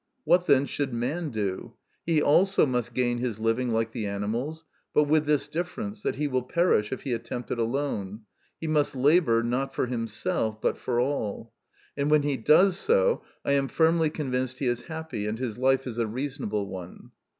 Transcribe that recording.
What, then, should man do ? He also must gain his living like the animals, but with this difference, that he will perish if he attempt it alone ; he must labour, not for himself, but for all. And when he does so, I am firmly convinced he is happy, and his life is a reasonable one.